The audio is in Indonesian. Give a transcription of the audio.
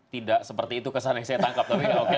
tidak seperti itu kesan yang saya tangkap